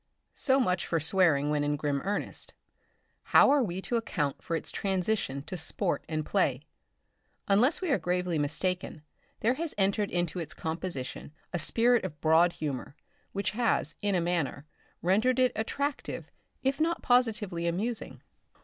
So much for swearing when in grim earnest; how are we to account for it in its transition to sport and play? Unless we are greatly mistaken, there has entered into its composition a spirit of broad humour which has, in a manner, rendered it attractive, if not positively amusing.